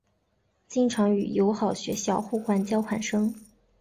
经常与友好学校互换交换生。